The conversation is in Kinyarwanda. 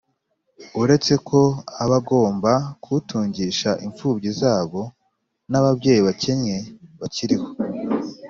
uretse ko abagomba kuwutungisha impfubyi zabo, n’ababyeyi bakennye bakiriho.